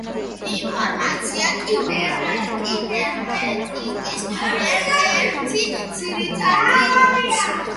ინფორმაცია კიბერნეტიკის ერთ-ერთი ძირითადი ცნებაა.